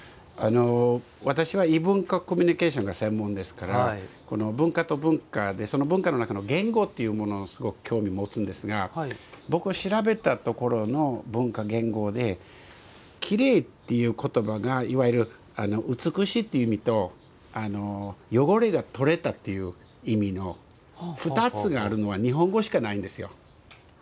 私は異文化コミュニケーションが専門ですからこの文化と文化でその文化の中の言語というものにすごく興味を持つんですが僕は調べたところの文化言語できれいという言葉がいわゆる美しいという意味と汚れが取れたという意味の２つがあるのは日本語しかないんですよ。